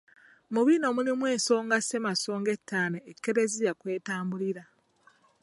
Mu bino mulimu ensonga Ssemasonga ettaano Ekereziya kw'etambulira.